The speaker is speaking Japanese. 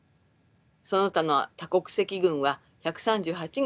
その他の多国籍軍は１３８人でした。